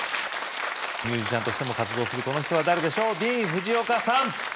ミュージシャンとしても活動するこの人は誰でしょうディーン・フジオカさん